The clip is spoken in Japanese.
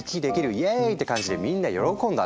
イェーイ！」って感じでみんな喜んだの。